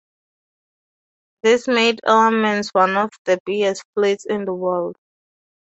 This made Ellerman's one of the biggest fleets in the World.